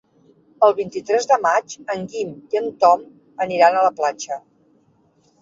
El vint-i-tres de maig en Guim i en Tom aniran a la platja.